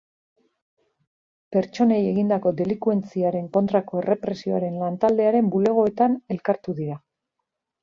Pertsonei egindako delinkuentziaren kontrako errepresioaren lantaldearen bulegoetan elkartu dira.